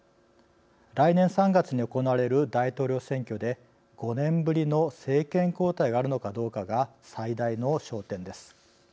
来年３月に行われる大統領選挙で５年ぶりの政権交代があるのかどうかが最大の焦点です。